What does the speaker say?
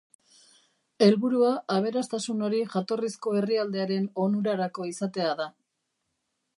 Helburua aberastasun hori jatorrizko herrialdearen onurarako izatea da.